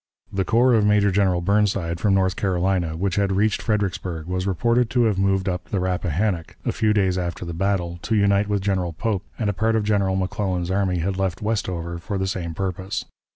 The corps of Major General Burnside, from North Carolina, which had reached Fredericksburg, was reported to have moved up the Rappahannock, a few days after the battle, to unite with General Pope, and a part of General McClellan's army had left Westover for the same purpose.